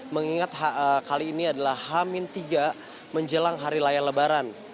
mengingat kali ini adalah hamin tiga menjelang hari raya lebaran